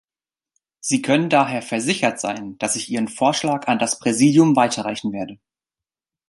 Sie können daher versichert sein, dass ich Ihren Vorschlag an das Präsidium weiterreichen werde.